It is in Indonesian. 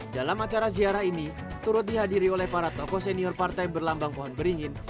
dalam acara ziarah ini turut dihadiri oleh para tokoh senior partai berlambang pohon beringin